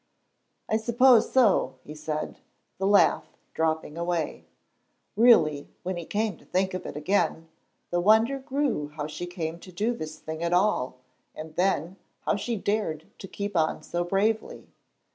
"I suppose so," he said, the laugh dropping away. Really, when he came to think of it again, the wonder grew how she came to do this thing at all, and then, how she dared to keep on so bravely.